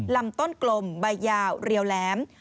ลำต้นกลมใบยาวเรียวแหลม